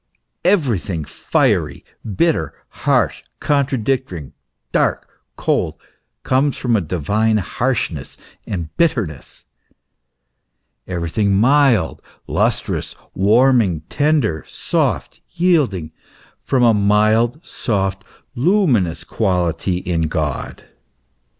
Everything fiery, bitter, harsh, contracting, dark, cold, comes from a divine harshness and bitterness ; everything mild, lustrous, warming, tender, soft, yielding, from a mild, soft, luminous quality in God.